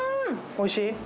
おいしい？